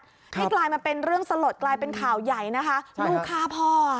นี่กลายมาเป็นเรื่องสลดกลายเป็นข่าวใหญ่นะคะลูกฆ่าพ่อ